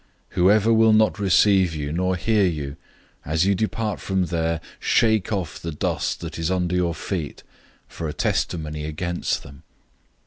006:011 Whoever will not receive you nor hear you, as you depart from there, shake off the dust that is under your feet for a testimony against them.